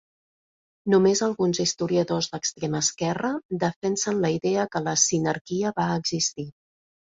Només alguns historiadors d'extrema esquerra defensen la idea que la sinarquia va existir.